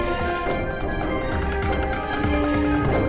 ulan udah bangun ulan